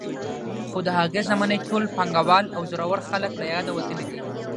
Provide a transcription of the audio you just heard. خو د هغې زمانې ټول پانګوال او زورور خلک له یاده وتلي دي.